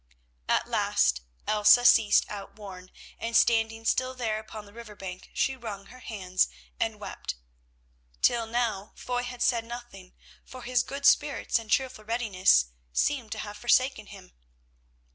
At last Elsa ceased outworn, and, standing still there upon the river bank she wrung her hands and wept. Till now Foy had said nothing, for his good spirits and cheerful readiness seemed to have forsaken him.